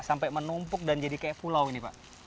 sampai menumpuk dan jadi kayak pulau ini pak